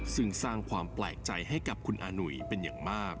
ซึ่งสร้างความแปลกใจให้กับคุณอาหุยเป็นอย่างมาก